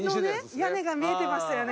屋根が見えてましたよね。